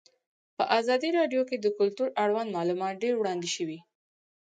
په ازادي راډیو کې د کلتور اړوند معلومات ډېر وړاندې شوي.